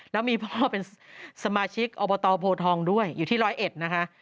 แล้วมีพ่อเป็นสมาชิกอโภทองด้วยอยู่ที่๑๐๑นะคะ